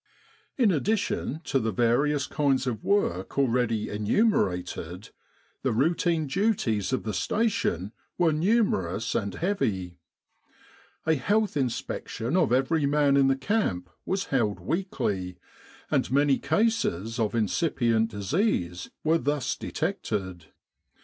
In addition to the various kinds of work already enumerated, the routine duties of the Station were numerous and heavy. A health inspection of every man in the camp was held weekly, and many cases of incipient disease were thus detected.